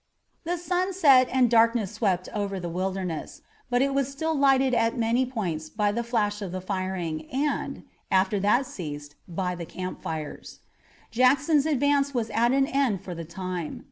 The sun set and darkness swept over the Wilderness, but it was still lighted at many points by the flash of the firing and, after that ceased, by the campfires. Jackson's advance was at an end for the time.